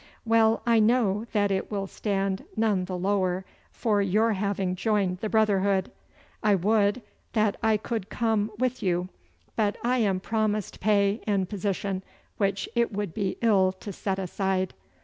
Well I know that it will stand none the lower for your having joined the brotherhood. I would that I could come with you, but I am promised pay and position which it would be ill to set aside.